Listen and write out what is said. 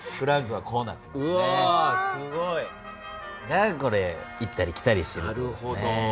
だからこれ行ったり来たりしてるんですね。